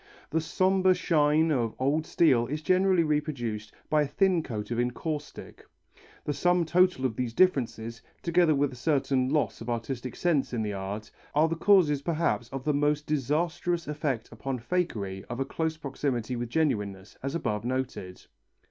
The sombre shine of old steel is generally reproduced by a thin coat of encaustic. The sum total of these differences, together with a certain loss of artistic sense in the art, are the causes perhaps of the disastrous effect upon fakery of a close proximity with genuineness, as above noted.